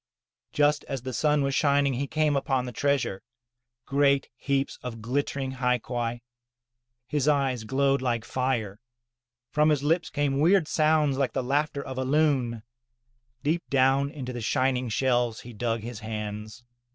Just as the sun was sinking he came upon the treasure, great heaps of glittering hai quai. His eyes glowed like fire; from his lips came weird sounds like the laughter of a loon; deep down into the shining shells he dug his hands.